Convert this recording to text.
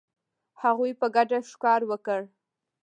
هغوی په ګډه ښکار وکړ.